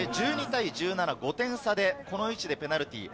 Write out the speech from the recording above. そして１２対１７、５点差でこの位置でペナルティー。